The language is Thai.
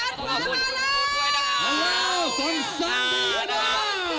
ขอบคุณคุณผู้ช่วยนะคะ